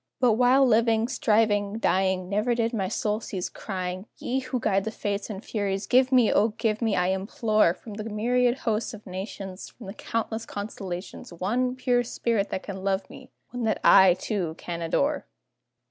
But while living, striving, dying, Never did my soul cease crying, "Ye who guide the Fates and Furies, give, O give me, I implore, From the myriad hosts of nations, From the countless constellations, One pure spirit that can love me one that I, too, can adore!"